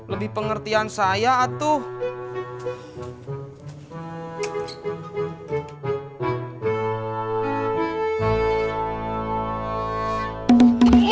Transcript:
lebih pengertian saya atau